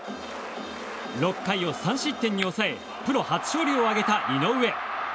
６回を３失点に抑えプロ初勝利を挙げた井上。